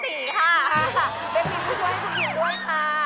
เป็นพี่ผู้ช่วยให้พูดด้วยค่ะ